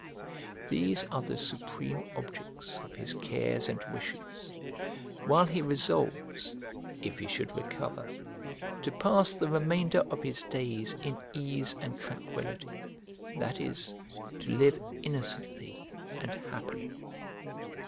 These are the supreme objects of his cares and wishes, while he resolves, if he should recover, to pass the remainder of his days in ease and tranquillity, that is, to live innocently and happily.